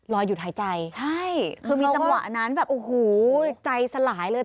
หยุดหายใจใช่คือมีจังหวะนั้นแบบโอ้โหใจสลายเลย